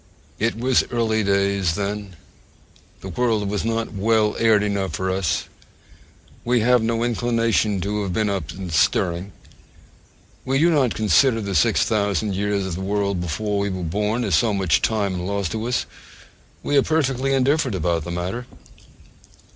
It was early days then: the world was not well aired enough for us: we have no inclination to have been up and stirring. We do not consider the six thousand years of the world before we were born as so much time lost to us: we are perfectly indifferent about the matter.